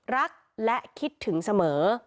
รักและคิดถึงเสมอ